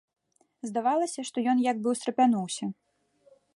Здавалася, што ён як бы ўстрапянуўся.